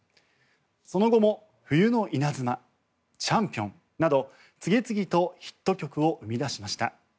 その後も「冬の稲妻」「チャンピオン」など次々とヒット曲を生み出しました。